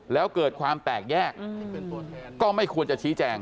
แล้วเกิดความแตกแยกก็ไม่ควรจะชี้แจง